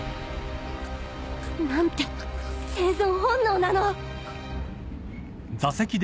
なんて生存本能なの！？